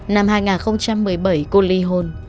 năm hai nghìn một mươi bảy cô li hôn